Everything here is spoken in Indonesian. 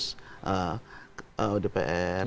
ini fungsinya dpr